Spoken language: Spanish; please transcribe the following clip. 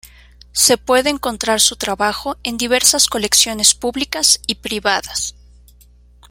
Se puede encontrar su trabajo en diversas colecciones públicas y privadas.